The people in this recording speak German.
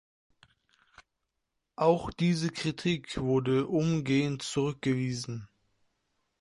Auch diese Kritik wurde umgehend zurückgewiesen.